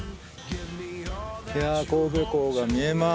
いや神戸港が見えます。